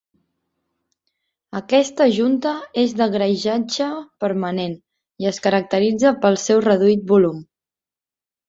Aquesta junta és de greixatge permanent i es caracteritza pel seu reduït volum.